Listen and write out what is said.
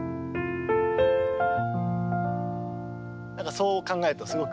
そう考えるとすごく。